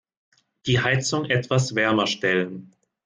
Die Heizung etwas wärmer stellen.